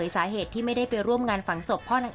เราก็จะมีความรู้สึกเรื่องของความสูญเสียอยู่บ้างนะครับ